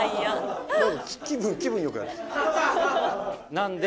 なんで。